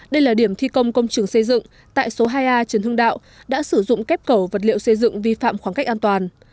đây là điểm thi công công trường xây dựng tại số hai a trần hưng đạo đã sử dụng kép cầu vật liệu xây dựng vi phạm khoảng cách an toàn